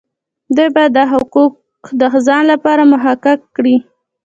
دوی باید دا حقوق د ځان لپاره محقق کړي.